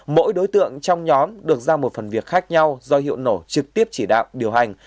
mỗi đối tượng trong nhóm được ra một phần việc khác nhau do hiệu nổ trực tiếp chỉ đạo điều hành